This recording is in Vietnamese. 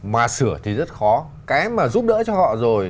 mà sửa thì rất khó